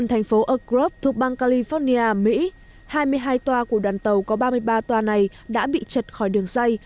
thành phố oak grove thuộc bang california mỹ hai mươi hai tòa của đoàn tàu có ba mươi ba tòa này đã bị chật khỏi đường ray